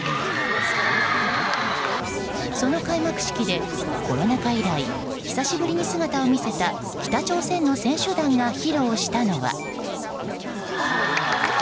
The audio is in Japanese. その開幕式でコロナ禍以来久しぶりに姿を見せた北朝鮮の選手団が披露したのは。